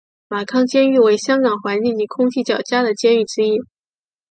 马坑监狱为香港环境及空气较佳的监狱之一。